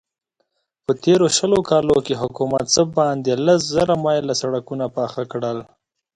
په تېرو شلو کالو کې حکومت څه باندې لس زره مايله سړکونه پاخه کړل.